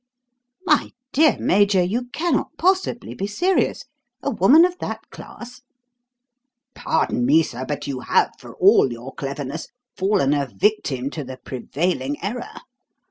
"My dear Major, you cannot possibly be serious! A woman of that class?" "Pardon me, sir, but you have, for all your cleverness, fallen a victim to the prevailing error.